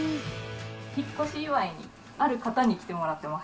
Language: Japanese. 引っ越し祝いに、ある方に来てもらってます。